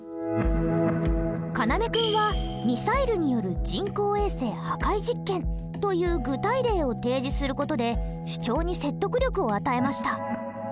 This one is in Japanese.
かなめ君はミサイルによる人工衛星破壊実験という具体例を提示する事で主張に説得力を与えました。